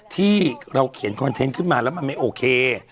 ที่เราเขียนคอนเทนต์ขึ้นมาแล้วมันไม่โอเค